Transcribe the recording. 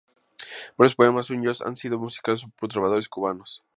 Varios poemas suyos han sido musicalizados por trovadores cubanos.